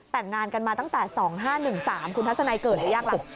แต่งงานกันมาตั้งแต่๒๕๑๓คุณทัศนัยเกิดหรือยังล่ะ